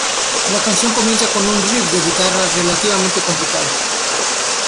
La canción comienza con un riff de guitarra relativamente complicado.